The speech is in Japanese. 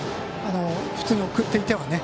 普通に送っていてはね。